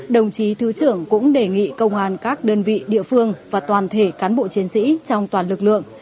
đồng chí thứ trưởng cũng đề nghị công an các đơn vị địa phương và toàn thể cán bộ chiến sĩ trong toàn lực lượng